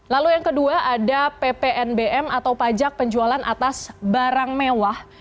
lalu yang kedua ada ppnbm atau pajak penjualan atas barang mewah